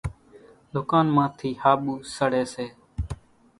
ۮُڪانَ مان ٿِي ۿاٻُو سڙيَ سي۔